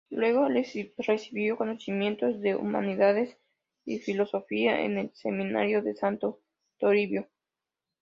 Luego recibió conocimientos de humanidades y filosofía en el Seminario de Santo Toribio.